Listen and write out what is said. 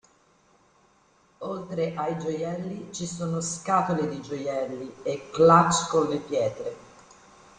Oltre ai gioielli, ci sono scatole di gioielli e clutch con le pietre.